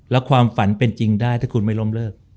แล้วความฝันเป็นจริงได้ถ้าคุณไม่ล้มเลิก